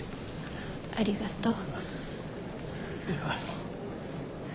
ありがとう。